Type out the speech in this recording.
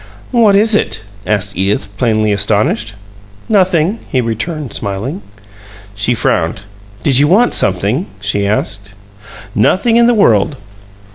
"What is it?" asked Edith, plainly astonished. "Nothing," he returned, smiling. She frowned. "Did you want something?" she asked. "Nothing in the world.